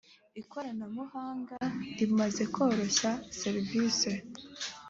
ikoranabuhanga rimaze koroshya serivise